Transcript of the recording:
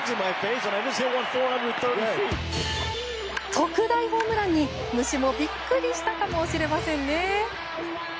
特大ホームランに、虫もビックリしたかもしれませんね。